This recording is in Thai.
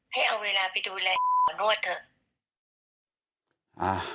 ให้เอาเวลาไปดูแลหมอนวดเถอะ